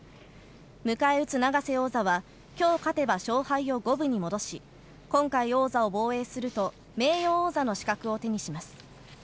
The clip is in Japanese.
迎え撃つ永瀬王座は、きょう勝てば勝敗を五分に戻し、今回、王座を防衛すると名誉王座の資格を手にします。